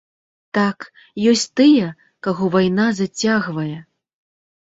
Так, ёсць тыя, каго вайна зацягвае.